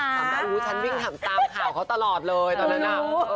อ๋อน้องรู้ฉันวิ่งหังตามข่าวเขาตลอดเลยตอนนั้นอ่ะ